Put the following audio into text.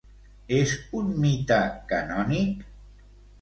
És un mite canònic?